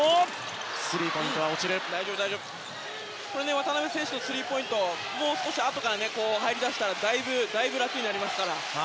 渡邊選手のスリーポイントももう少しあとから入りだしたらだいぶ楽になりますから。